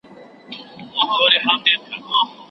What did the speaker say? خزانونه رخصتیږي نوبهار په سترګو وینم